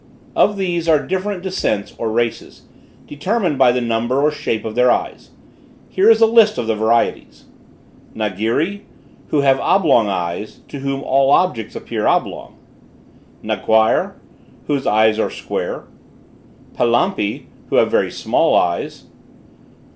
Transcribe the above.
Of these are different descents or races, determined by the number or shape of their eyes. Here is a list of the varieties: Nagiri, who have oblong eyes; to whom all objects appear oblong. Naquire, whose eyes are square. Palampi, who have very small eyes.